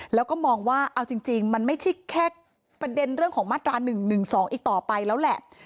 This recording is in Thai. แล้วก็มองว่าเอาจริงมันไม่ใช่แค่ประเด็นเรื่องของมาตรา๑๑๒อีกต่อไปแล้วแหละ